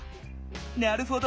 なるほど。